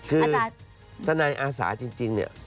คือทนายอาสาจริงเนี่ย